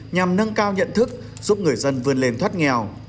nhằm nâng cao nhận thức giúp người dân vươn lên thoát nghèo